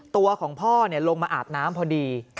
ตัวของพ่อลงมาอาบน้ำพอดี